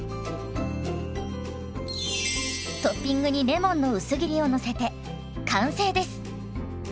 トッピングにレモンの薄切りをのせて完成です。